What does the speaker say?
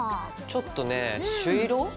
ちょっとね朱色？